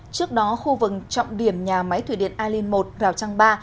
trước đó khu vực trọng điểm nhà máy thủy điện a lin một rào trang bà